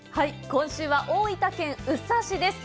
今週は大分県宇佐市です。